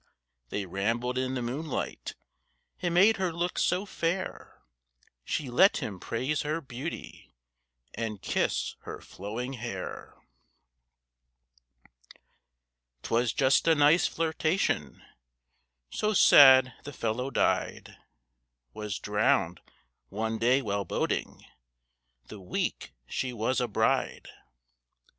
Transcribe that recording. They rambled in the moonlight; It made her look so fair. She let him praise her beauty, And kiss her flowing hair. 'Twas just a nice flirtation. 'So sad the fellow died. Was drowned one day while boating, The week she was a bride.'